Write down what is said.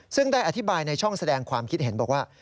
ซึ่งได้อธิบายในช่องแสดงความคิดเห็นบอกว่า